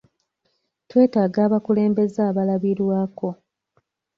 Twetaaga abakulembeze abalabirwako.